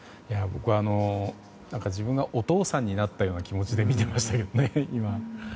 僕は自分がお父さんになったような気持ちで見ていましたね、今。